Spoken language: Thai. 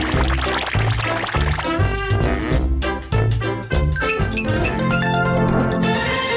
โปรดติดตามตอนต่อไป